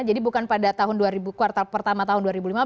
jadi bukan pada kuartal pertama tahun dua ribu lima belas